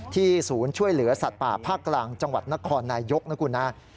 ศูนย์ช่วยเหลือสัตว์ป่าภาคกลางจังหวัดนครนายยกนะคุณนะ